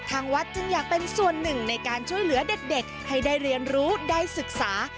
ทางวัดจึงอยากเป็นส่วนหนึ่งในการช่วยเหลือเด็กให้ได้เรียนรู้ได้ศึกษา